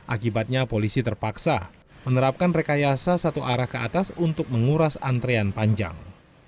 akibatnya polisi terpaksa menerapkan rekayasa satu arah ke atas untuk menguras antrean panjang